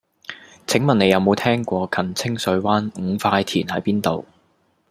請問你有無聽過近清水灣五塊田喺邊度